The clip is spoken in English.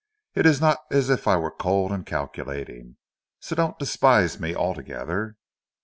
It is not as if I were cold and calculating—so don't despise me altogether."